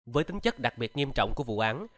với tính chất đặc biệt nghiêm trọng của vụ án